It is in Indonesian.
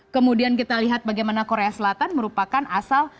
kemudian kita lihat bagaimana korea selatan merupakan asal